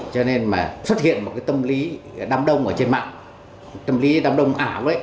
cho nên xuất hiện một tâm lý đám đông trên mạng tâm lý đám đông ảo